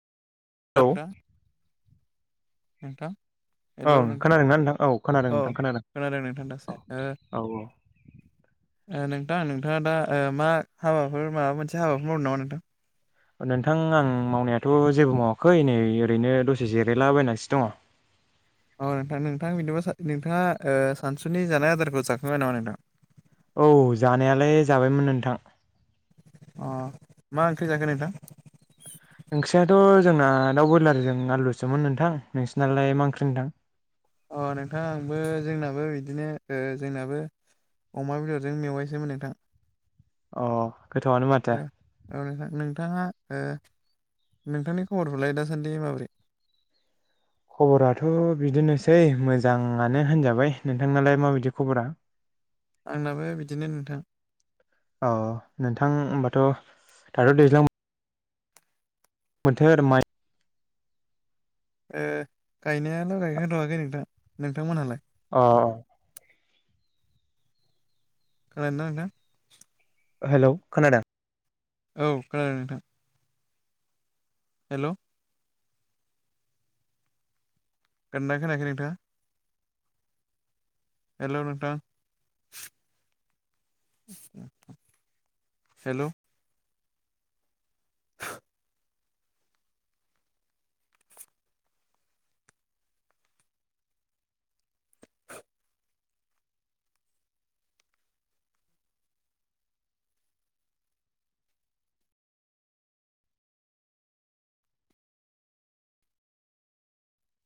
औ [inaudible] नोंथां हेल' ओं नोंथां खोनादोंना औ खोनादों अ नोंथां खोनादों नोंथां औ दासो ओ औ ओ नोंथां नोंथाङा दा मा हाबाफोर माबा मोनसे हाबाफोर मावदों नामा नोंथां? नोंथां आं मावनायाथ' जेबो मावाखै नै ओरैनो दसे जिरायलाबायनासो दङ। [inaudible] औ नोंथां नोंथां बिदिबा नोंथाङा ओ सानसुनि जानाय आदारखौ जाखांबाय नामा नोंथां? औ जानायालाय जाबायमोन नोंथां। अ मा ओंख्रि जाखो नोंथां? ओंख्रियाथ' जोंना दाउ ब्रयलारजों आलुसोमोन नोंथां। नोंसिनालाय मा ओंख्रि नोंथां? अ नोंथां आंबो जोंनाबो बिदिनो ओ जोंनाबो अमा बेदरजों मेवायसोमोन नोंथां। अ गोथावआनो माथो। ओ औ नोंथां नोंथाङा ओ नोंथांनि खबरफोरलाय दासान्दि माबोरै? खबराथ' बिदिनोसै मोजाङानो होनजाबाय। नोंथांनालाय माबायदि खबरा? आंनाबो बिदिनो नोंथां औ नोंथां ओमबा त' थाथ' दैज्लां बोथोर माइ ओ गायनायानो गायखांथ'खै नोंथां। नोंथांमोनहालाय? अ। खोनादोंना नोंथां? हेल' खोनादों? औ खोनादों नोंथां। हेल'। खोदोंना खोनायाखै नोंथां? हेल' नोंथां। हेल'।